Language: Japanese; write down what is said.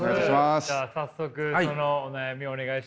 じゃあ早速そのお悩みをお願いしていいですか？